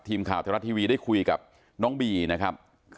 ทีมข่าวไทยรัฐทีวีได้คุยกับน้องบีนะครับ